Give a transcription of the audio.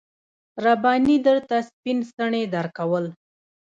رباني درته سپين څڼې درکول.